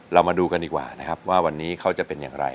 เรามาดูกันดีกว่านะครับว่าวันนี้เขาจะเป็นอย่างไร